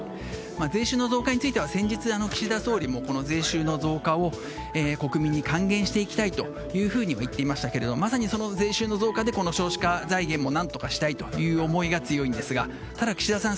税収の増加については先日、岸田総理も税収の増加を国民に還元していきたいとも言っていましたけれどもまさに税収の増加でこの少子化財源も何とかしたいという思いが強いんですがただ、岸田さん